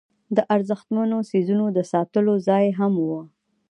د ارزښتمنو څیزونو د ساتلو ځای هم و.